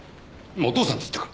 今「おとうさん」って言ったか？